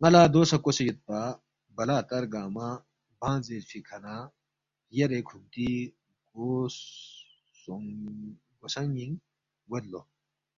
نالا دوسہ کوسے یود پا بلا اتر گنگمہ بانگ زیرفی کھانہ خیارے کھونتی گو سونگینگ گوید لو۔